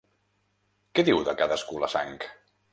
Què diu de cadascú la sang?